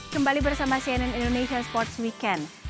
kembali bersama cnn indonesia sports weekend